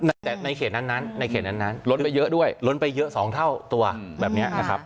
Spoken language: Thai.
แต่ในเขตนั้นในเขตนั้นล้นไปเยอะด้วยล้นไปเยอะ๒เท่าตัวแบบนี้นะครับ